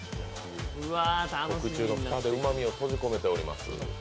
特注の蓋でうまみを閉じ込めております。